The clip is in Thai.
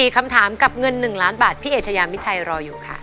คำถามกับเงิน๑ล้านบาทพี่เอชยามิชัยรออยู่ค่ะ